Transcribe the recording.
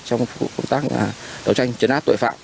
trong công tác đấu tranh chấn áp tội phạm